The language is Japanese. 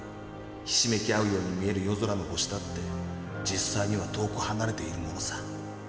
ひしめき合うように見える夜空の星だって実際には遠くはなれているものさ。